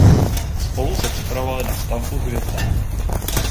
Spolu se připravovali na stavbu hvězdárny.